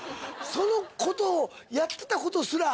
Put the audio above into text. そのことをやってたことすら。